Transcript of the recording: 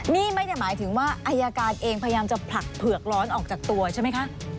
นี่ไม่ได้หมายถึงว่าอายการเองพยายามจะผลักเผือกร้อนออกจากตัวใช่ไหมคะ